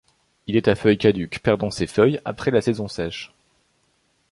Il est à feuilles caduques - perdant ses feuilles après la saison sèche.